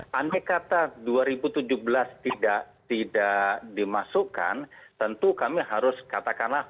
andai kata dua ribu tujuh belas tidak dimasukkan tentu kami harus katakanlah